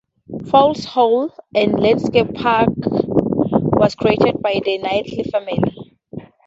Fawsley Hall and landscape park was created by the Knightley family.